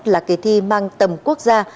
là kỳ thi mang tầm quốc gia